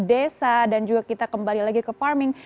desa dan juga kita kembali lagi ke farming